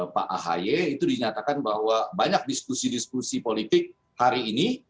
pak ahy itu dinyatakan bahwa banyak diskusi diskusi politik hari ini